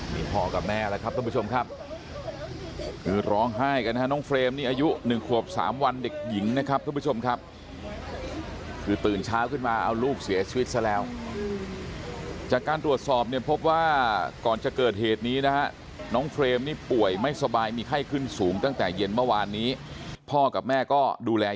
นี่พ่อกับแม่แล้วครับท่านผู้ชมครับคือร้องไห้กันนะฮะน้องเฟรมนี่อายุ๑ขวบ๓วันเด็กหญิงนะครับทุกผู้ชมครับคือตื่นเช้าขึ้นมาเอาลูกเสียชีวิตซะแล้วจากการตรวจสอบเนี่ยพบว่าก่อนจะเกิดเหตุนี้นะฮะน้องเฟรมนี่ป่วยไม่สบายมีไข้ขึ้นสูงตั้งแต่เย็นเมื่อวานนี้พ่อกับแม่ก็ดูแล